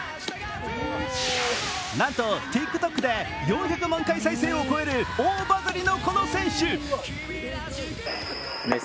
なんと、ＴｉｋＴｏｋで４００万回再生を超える大バズリのこの選手。